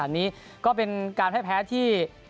อันนี้ก็เป็นการแพ้ที่